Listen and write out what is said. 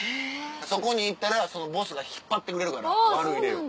そこに行ったらそのボスが引っ張ってくれるから悪い霊を。